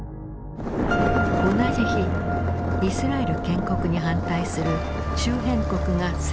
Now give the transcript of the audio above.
同じ日イスラエル建国に反対する周辺国が宣戦布告。